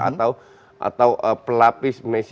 atau pelapis messi